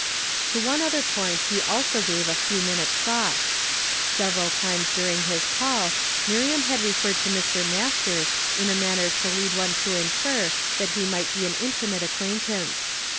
To one other point he also gave a few minutes' thought. Several 1 '< THERE IS NO BEAUTY." 131 i times during his call, Miriam had referred to Mr. Masters in a manner to lead one to infer that he might be an intimate acquaintance.